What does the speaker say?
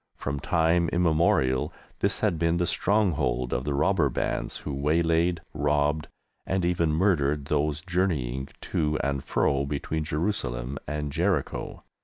From time immemorial this had been the stronghold of the robber bands who waylaid, robbed, and even murdered those journeying to and fro between Jerusalem and Jericho.